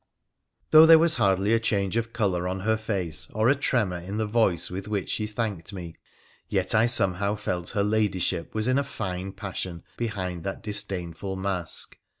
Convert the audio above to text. Though there was hardly a change of colour on her face or a tremor in the voice with which she thanked me, yet I somehow felt her ladyship was in a fine passion behind that disdainful mask.